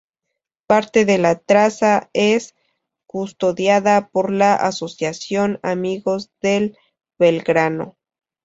Parte de la traza es custodiada por la Asociación Amigos del Belgrano.